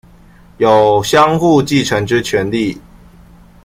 有相互繼承之權利